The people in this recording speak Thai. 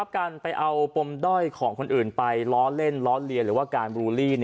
การไปเอาปมด้อยของคนอื่นไปล้อเล่นล้อเลียนหรือว่าการบูลลี่